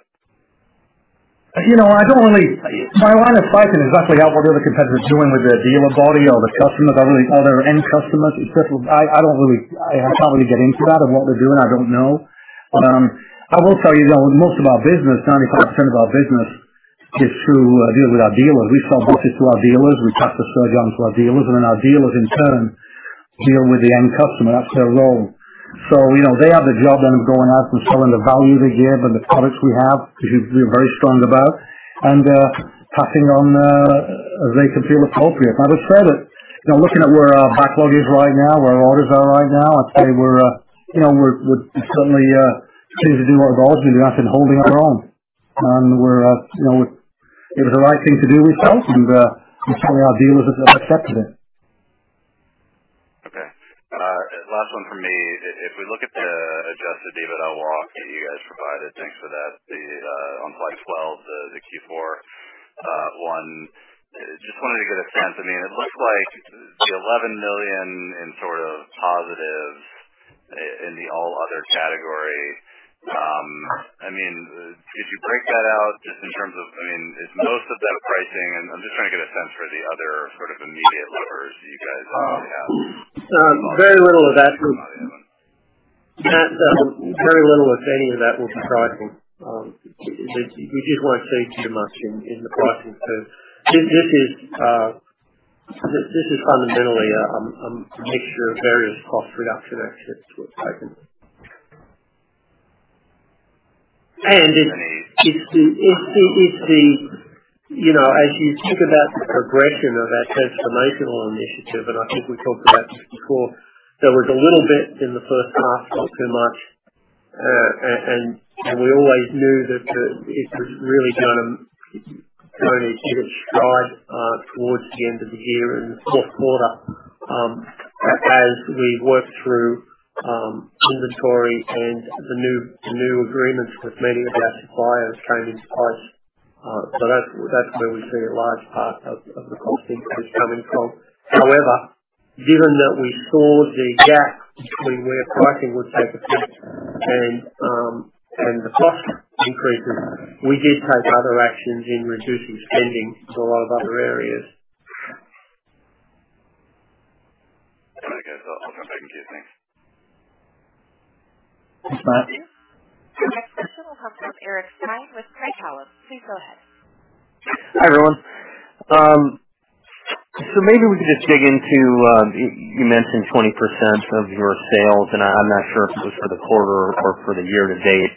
My line of sight is exactly how all the other competitors are doing with the dealer body or the customers or their end customers. I probably get into that of what they're doing, I don't know. I will tell you, though, most of our business, 95% of our business is through dealing with our dealers. We sell buses to our dealers. We pass this further on to our dealers, and then our dealers in turn deal with the end customer. That's their role. They have the job then of going out and selling the value they give and the products we have, which we're very strong about, and passing it on as they can feel appropriate. As I said, looking at where our backlog is right now, where our orders are right now, I'd say we're certainly continuing to do what we've always been doing. I said holding our own. It was the right thing to do with sales, and fortunately, our dealers have accepted it. Okay. Last one from me. If we look at the adjusted EBITDA walk that you guys provided, thanks for that, on slide 12, the Q4 one. Just wanted to get a sense. It looked like the $11 million in positives in the all other category. Could you break that out just in terms of, is most of that pricing? I'm just trying to get a sense for the other sort of immediate levers that you guys have. Very little of that. Matt, very little, if any of that, will be pricing. You just won't see too much in the pricing curve. This is fundamentally a mixture of various cost reduction actions that we've taken. As you think about the progression of that transformational initiative, and I think we've talked about this before, there was a little bit in the first half, not too much. We always knew that it was really going to hit its stride towards the end of the year in the fourth quarter, as we worked through inventory and the new agreements with many of our suppliers changed in price. That's where we see a large part of the cost increase coming from. However, given that we saw the gap between where pricing would take effect and the cost increases, we did take other actions in reducing spending in a lot of other areas. Okay. That's all from my side. Okay, thanks. Thanks, Matt. Our next question will come from Eric Stine with Craig-Hallum. Please go ahead. Hi, everyone. Maybe we could just dig into, you mentioned 20% of your sales, and I'm not sure if this was for the quarter or for the year to date.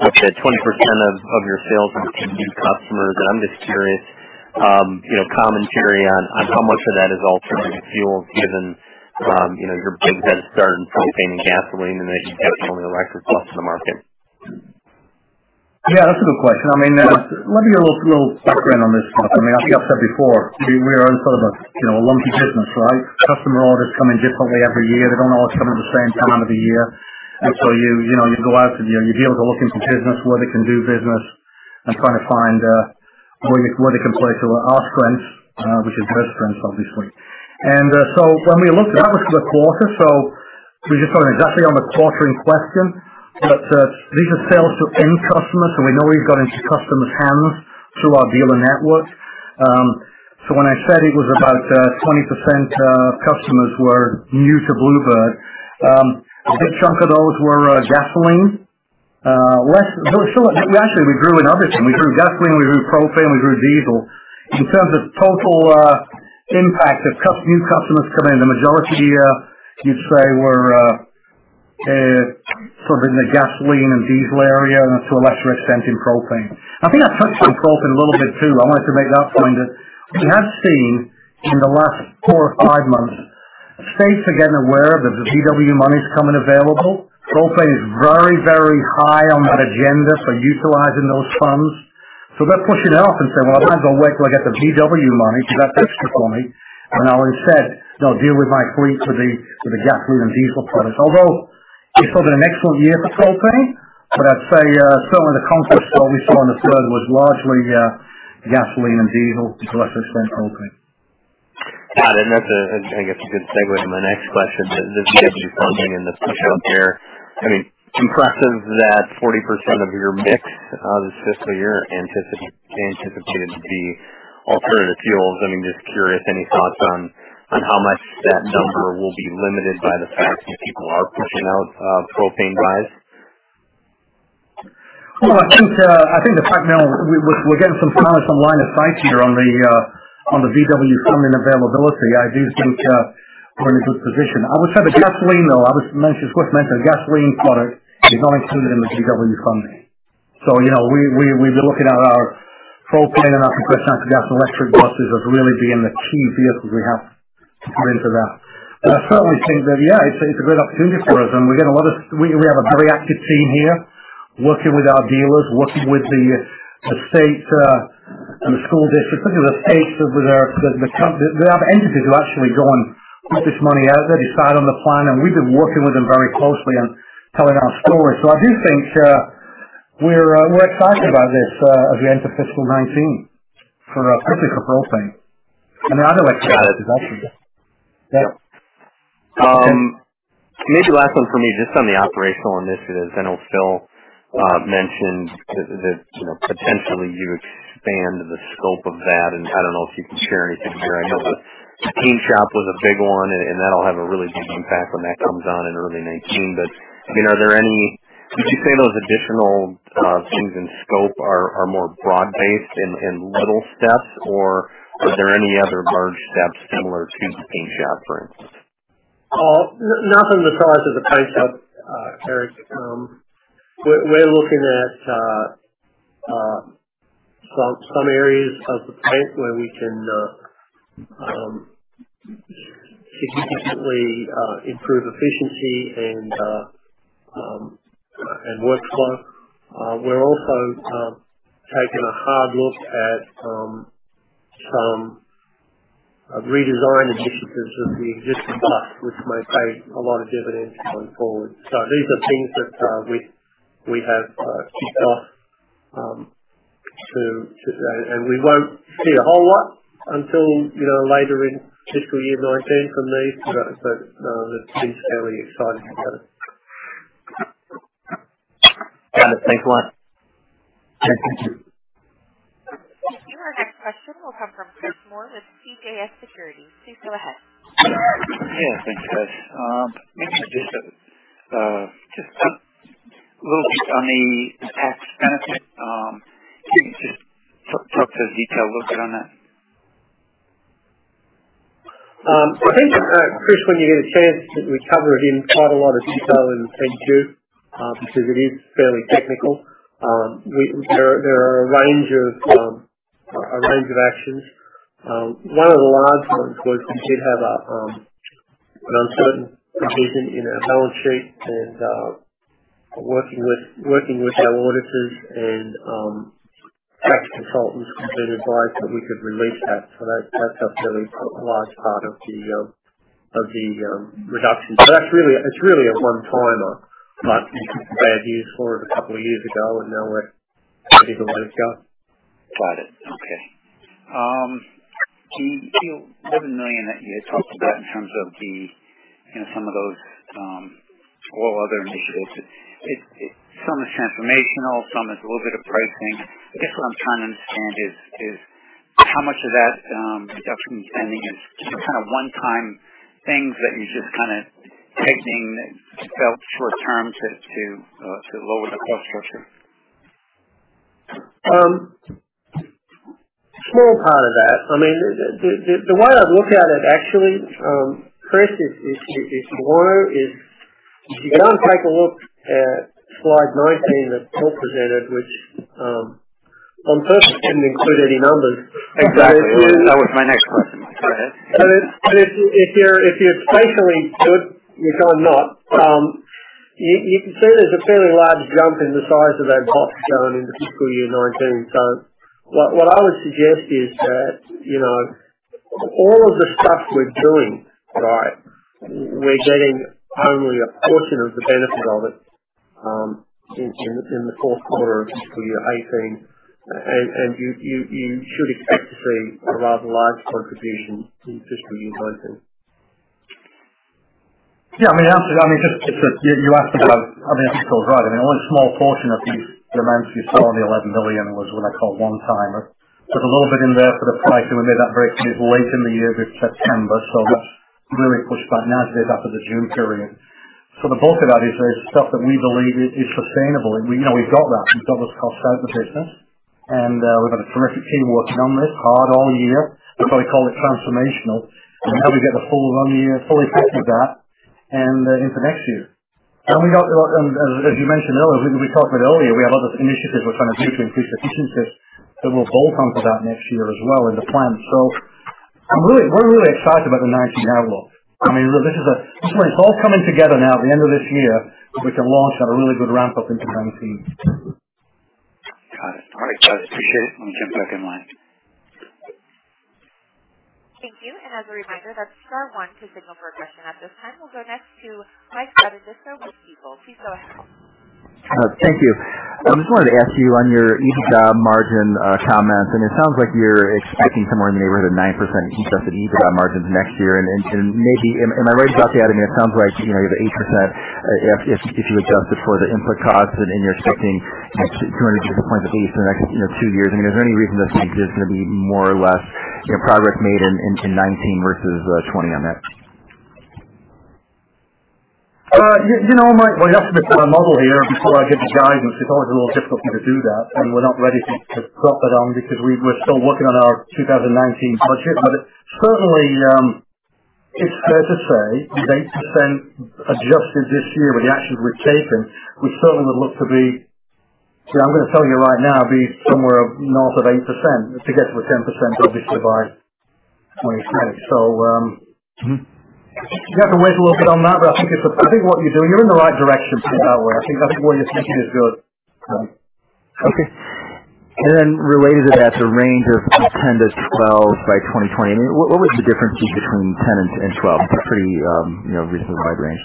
You said 20% of your sales are from new customers, and I'm just curious, commentary on how much of that is alternative fuels, given your big head of steam in propane and gasoline, and then I guess only the right response to the market. Yeah, that's a good question. Let me give you a little background on this. Like I said before, we are in sort of a lumpy business, right? Customer orders come in differently every year. They don't always come in the same time of the year. You go out and you deal with looking for business where they can do business and trying to find where they can play to our strengths, which is a great strength, obviously. When we looked at that was for the quarter. We just got it exactly on the quarter in question. These are sales to end customers, so we know we've got into customers' hands through our dealer network. When I said it was about 20% of customers were new to Blue Bird. A big chunk of those were gasoline. Actually, we grew in other things. We grew gasoline, we grew propane, we grew diesel. In terms of total impact of new customers coming in, the majority you'd say were sort of in the gasoline and diesel area, and to a lesser extent in propane. I think I touched on propane a little bit too. I wanted to make that point that we have seen in the last four or five months, states are getting aware that the Volkswagen money's coming available. Propane is very, very high on that agenda for utilizing those funds. They're pushing it off and saying, "Well, I might as well wait till I get the Volkswagen money because that's extra for me. And I'll instead deal with my fleet for the gasoline and diesel products." Although it's still been an excellent year for propane. I'd say certainly the contracts that we saw in the third was largely gasoline and diesel, to a lesser extent, propane. Got it. That's, I guess, a good segue to my next question. The Volkswagen funding and the push out there. Impressive that 40% of your mix this fiscal year anticipated to be alternative fuels. Just curious, any thoughts on how much that number will be limited by the fact that people are pushing out propane buys? Well, I think the fact now we're getting some clarity, some line of sight here on the Volkswagen funding availability, I do think we're in a good position. I would say the gasoline, though, I should mention, gasoline product is not included in the Volkswagen funding. We've been looking at our propane and our electric buses as really being the key vehicles we have to put into that. I certainly think that, yeah, it's a great opportunity for us, we have a very active team here working with our dealers, working with the state and the school districts. Look at the states, there are entities who actually go and get this money out. They decide on the plan, we've been working with them very closely and telling our story. I do think we're excited about this at the end of fiscal 2019 for propane. The other way to do it is actually just Yeah. Maybe last one for me, just on the operational initiatives. I know Phil mentioned that potentially you expand the scope of that, I don't know if you can share anything here. I know the paint shop was a big one, that'll have a really big impact when that comes on in early 2019. Would you say those additional things in scope are more broad-based and little steps, or are there any other large steps similar to the paint shop, for instance? Nothing the size of the paint shop, Eric. We're looking at some areas of the plant where we can significantly improve efficiency and workflow. We're also taking a hard look at some redesign initiatives of the existing bus, which may pay a lot of dividends going forward. These are things that we have kicked off, and we won't see a whole lot until later in fiscal year 2019 from these, but they're fairly exciting. Got it. Thanks a lot. Yeah, thank you. Thank you. Our next question will come from Chris Moore with CJS Securities. Please go ahead. Thanks, guys. Maybe just a little bit on the tax benefit. Can you just talk to the detail a little bit on that? Chris, when you get a chance, we cover it in quite a lot of detail in the Q2. It is fairly technical. There are a range of actions. One of the large ones was we did have an uncertain provision in our balance sheet, and working with our auditors and tax consultants, we've been advised that we could release that. That's a fairly large part of the reduction. That's really a one-timer. We took some bad news for it a couple of years ago, and now we're happy to let it go. Got it. Okay. The $11 million that you had talked about in terms of some of those all other initiatives, some is transformational, some is a little bit of pricing. I guess what I'm trying to understand is how much of that reduction spending is just one-time things that you're just taking short-term to lower the cost structure? Small part of that. The way I'd look at it actually, Chris, if you want, is if you go and take a look at slide 19 that Phil presented, which on purpose didn't include any numbers. Exactly. That was my next question. Sorry. If you're spatially good, which I'm not, you can see there's a fairly large jump in the size of that box going into fiscal year 2019. What I would suggest is that all of the stuff we're doing, we're getting only a portion of the benefit of it in the fourth quarter of fiscal year 2018. You should expect to see a rather large contribution in fiscal year 2019. Yeah. You asked about, I think Phil's right. Only a small portion of the amounts you saw in the $11 million was what I call one-timer. There's a little bit in there for the pricing. We made that very late in the year, September, that's really pushed back. Now it's there after the June period. The bulk of that is stuff that we believe is sustainable, and we know we've got that. We've doubled cost out of the business, and we've got a terrific team working on this hard all year. That's why we call it transformational, and now we get the full run year, fully packed with that, and into next year. As you mentioned earlier, we talked about earlier, we have other initiatives we're going to do to increase efficiencies that will bolt on to that next year as well in the plan. We're really excited about the 2019 outlook. This one is all coming together now at the end of this year, which will launch on a really good ramp-up into 2019. Got it. All right, guys. Appreciate it. I'm going to jump back in line. Thank you. As a reminder, that's star one to signal for a question. At this time, we'll go next to Michael Shlisky with Stifel. Please go ahead. Thank you. I just wanted to ask you on your EBITDA margin comments, it sounds like you're expecting somewhere in the neighborhood of 9% adjusted EBITDA margins next year. Am I right about that? It sounds like you have 8% if you adjust it for the input costs and you're expecting 200 basis points in the next two years. Is there any reason to think there's going to be more or less progress made in 2019 versus 2020 on that? Mike, I have to look at my model here before I give you guidance. It's always a little difficult for me to do that, and we're not ready to drop it on because we're still working on our 2019 budget. Certainly, it's fair to say with 8% adjusted this year with the actions we've taken, we certainly would look to be, I'm going to tell you right now, be somewhere north of 8% to get to a 10% obviously by 2020. You have to wait a little bit on that, but I think what you're doing, you're in the right direction to think that way. I think the way you're thinking is good. Okay. Related to that, the range of 10 to 12 by 2020, what was the difference between 10 and 12? It's a pretty reasonably wide range.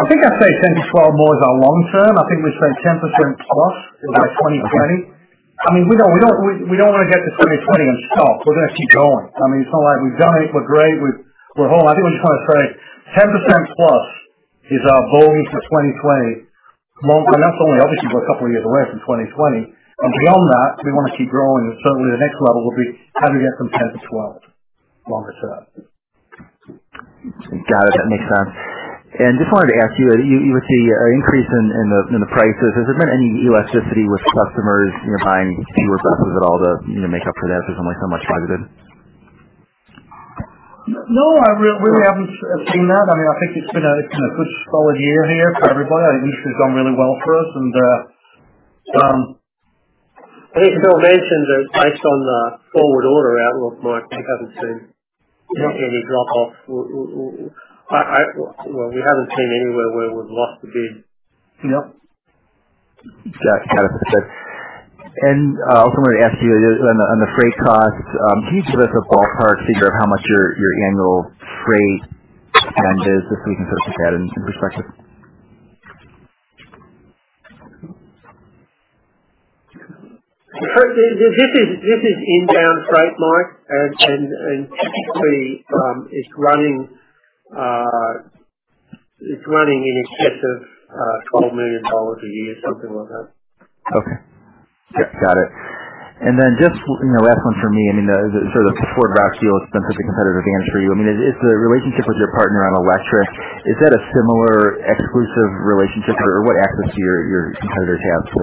I think I'd say 10% to 12% more is our long term. I think we said 10% plus by 2020. We don't want to get to 2020 and stop. We're going to keep going. It's not like we've done it. We're great. We're home. I think we just want to say 10% plus is our goal for 2020. Obviously, we're a couple of years away from 2020, beyond that, we want to keep growing, and certainly the next level will be how do we get from 10% to 12% longer term. Got it. That makes sense. Just wanted to ask you would see an increase in the prices. Has there been any elasticity with customers buying fewer buses at all to make up for that? There's only so much budgeted. No, I really haven't seen that. I think it's been a good, solid year here for everybody. I think this year's gone really well for us. As Phil mentioned, based on the forward order outlook, Mike, we haven't seen any drop off. We haven't seen anywhere where we've lost a bid. Got it. I also wanted to ask you on the freight costs, can you give us a ballpark figure of how much your annual freight spend is, just so we can put that in perspective? This is inbound freight, Mike. Typically, it's running in excess of $12 million a year, something like that. Okay. Got it. Just last one from me. The Ford/Roush deal has been such a competitive advantage for you. Is the relationship with your partner on electric, is that a similar exclusive relationship? What access do your competitors have to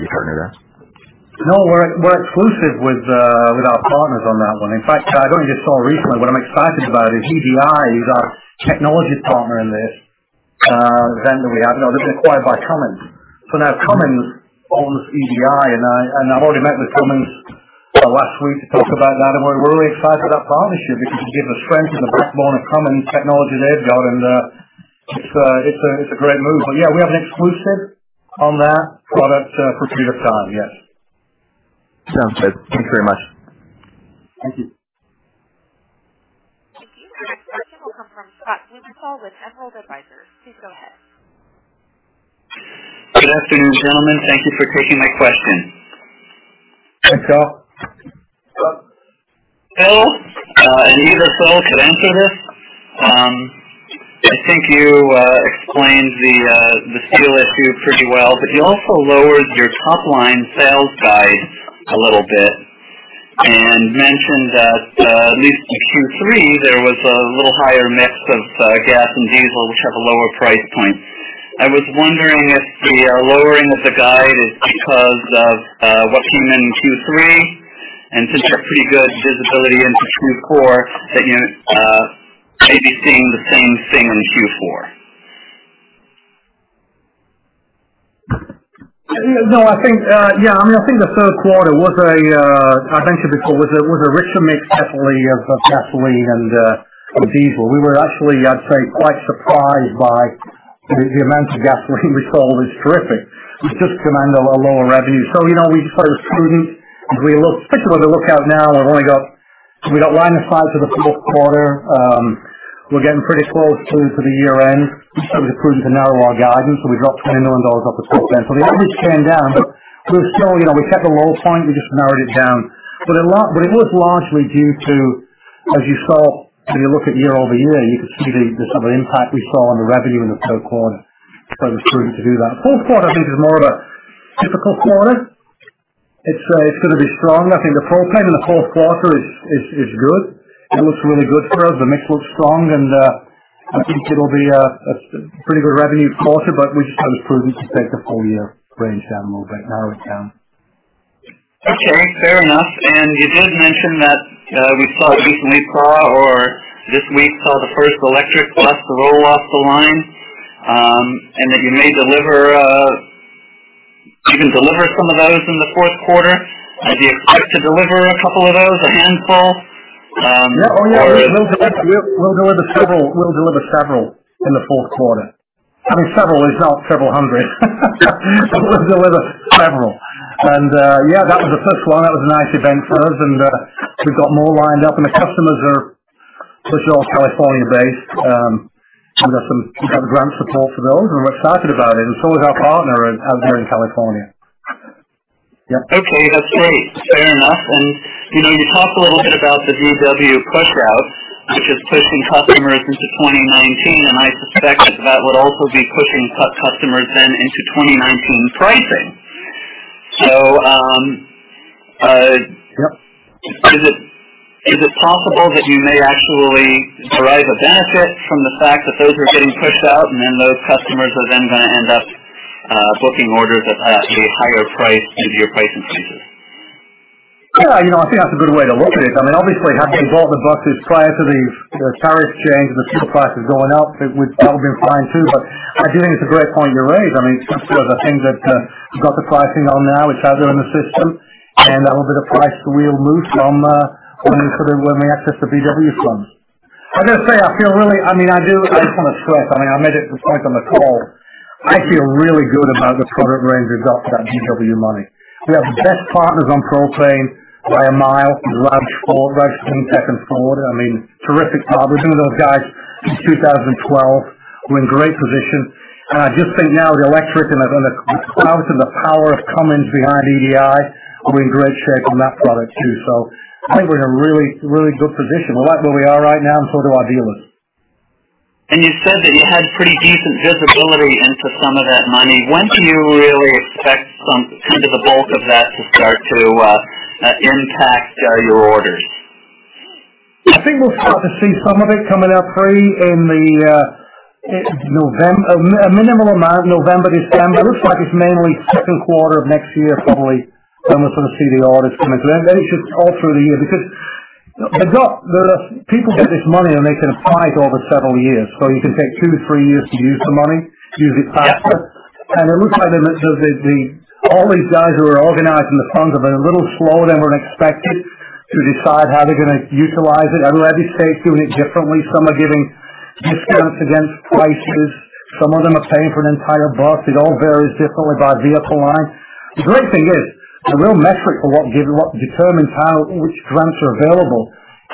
your partner there? No, we're exclusive with our partners on that one. In fact, I've only just saw recently, what I'm excited about is EDI, who's our technology partner in this vendor we have, they've been acquired by Cummins. Now Cummins owns EDI. I've already met with Cummins last week to talk about that. We're really excited about that partnership because you get the strength and the backbone of Cummins technology they've got, and it's a great move. Yeah, we have an exclusive on that product for a period of time, yes. Sounds good. Thank you very much. Thank you. The next question will come from Scott Stemberger with Emerald Advisors. Please go ahead. Good afternoon, gentlemen. Thank you for taking my question. Hi, Scott. Phil, and either Phil could answer this. I think you explained the steel issue pretty well. You also lowered your top-line sales guide a little bit and mentioned that at least in Q3, there was a little higher mix of gas and diesel, which have a lower price point. I was wondering if the lowering of the guide is because of what came in in Q3, and since you have pretty good visibility into Q4, that you may be seeing the same thing in Q4. Yeah. I think the third quarter was a richer mix actually of gasoline and diesel. We were actually, I'd say, quite surprised by the amount of gasoline we sold. It's terrific. It's just going to end a little lower revenue. We just played it prudent, and particularly the look out now, we've only got line of sight to the fourth quarter. We're getting pretty close to the year-end. We just prudent to narrow our guidance. We dropped $20 million off the top end. The average came down, but we kept the low point. We just narrowed it down. It was largely due to, as you saw when you look at year-over-year, you could see the type of impact we saw on the revenue in the third quarter. It was prudent to do that. Fourth quarter, I think, is more of a typical quarter. It's going to be strong. I think the propane in the fourth quarter is good. It looks really good for us. The mix looks strong. I think it'll be a pretty good revenue quarter, but we just kind of prudent to take the full year range down a little bit, narrow it down. Okay, fair enough. You did mention that we saw at least mid-fall or this week saw the first electric bus roll off the line, that you can deliver some of those in the fourth quarter. Do you expect to deliver a couple of those? A handful? Oh, yeah. We'll deliver several in the fourth quarter. Several is not several hundred. We'll deliver several. Yeah, that was the first one. That was a nice event for us, we've got more lined up, the customers are all California-based. We've got grant support for those, we're excited about it, so is our partner out here in California. Okay, that's great. Fair enough. You talked a little bit about the Volkswagen push-out, which is pushing customers into 2019, I suspect that would also be pushing customers then into 2019 pricing. Is it possible that you may actually derive a benefit from the fact that those are getting pushed out and then those customers are then going to end up booking orders at the higher price into your pricing season? Yeah, I think that's a good way to look at it. Obviously, had they bought the buses prior to the tariff change and the steel prices going up, that would have been fine, too. I do think it's a great point you raise. In terms of the things that we've got the pricing on now, it's out there in the system, that will be the price we'll move from when we access the VW slots. I've got to say, I just want to stress, I made this point on the call I feel really good about the product range we've got for that VW money. We have the best partners on propane by a mile. Roush Ford. Terrific partners. We've known those guys since 2012. We're in great position. I just think now with the electric and the power of Cummins behind EDI, we're in great shape on that product too. I think we're in a really good position. We like where we are right now and so do our dealers. You said that you had pretty decent visibility into some of that money. When do you really expect the bulk of that to start to impact your orders? I think we'll start to see some of it coming out probably in minimal amount November, December. It looks like it's mainly second quarter of next year, probably when we're going to see the orders come in. It's just all through the year. People get this money, and they can apply it over several years. You can take two to three years to use the money, use it faster. It looks like all these guys who are organizing the funds have been a little slower than were expected to decide how they're going to utilize it. Every state's doing it differently. Some are giving discounts against prices. Some of them are paying for an entire bus. It all varies differently by vehicle line. The great thing is, the real metric for what determines which grants are available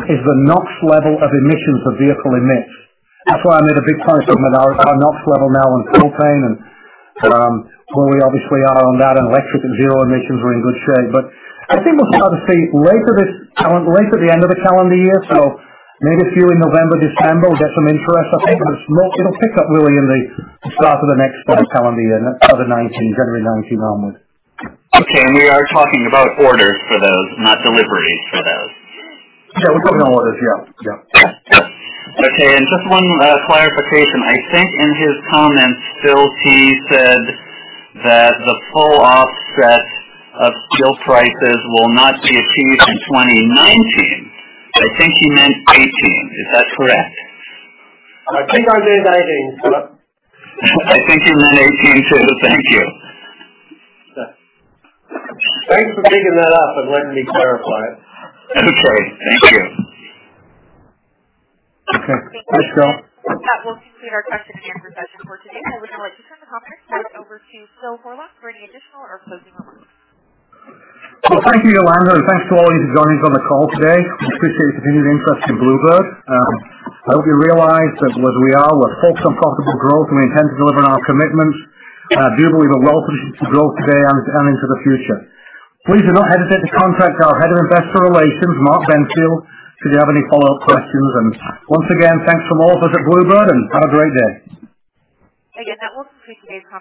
is the NOx level of emissions the vehicle emits. That's why I made a big point of our NOx level now on propane and where we obviously are on that, and electric and zero emissions we're in good shape. I think we'll start to see later at the end of the calendar year, so maybe a few in November, December, we'll get some interest. I think it'll pick up really in the start of the next calendar year, January 2019 onwards. We are talking about orders for those, not deliveries for those? Yeah, we're talking orders. Yeah. Okay, just one clarification. I think in his comments, (Phil T). said that the full offset of steel prices will not be achieved in 2019, but I think he meant '18. Is that correct? I think I did '18, Phil. I think you meant 2018, too. Thank you. Thanks for picking that up and letting me clarify it. Okay, thank you. Okay. Thanks, Phil. That will conclude our question and answer session for today, and we would like to turn the conference back over to Phil Horlock for any additional or closing remarks. Well, thank you, Yolanda, and thanks to all of you for joining us on the call today. We appreciate the continued interest in Blue Bird. I hope you realize that we are focused on profitable growth, and we intend to deliver on our commitments. I do believe a wealth of growth today and into the future. Please do not hesitate to contact our head of investor relations, Mark Benfield, should you have any follow-up questions. Once again, thanks from all of us at Blue Bird and have a great day. Again, that will conclude today's call